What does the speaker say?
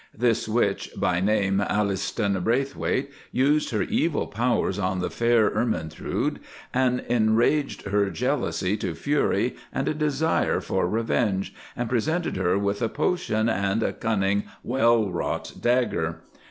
This witch, by name 'Alistoun Brathwaite,' used her evil powers on the fair Ermentrude, and enraged her jealousy to fury and a desire for revenge, and presented her with a potion, and a cunning, well wrought dagger.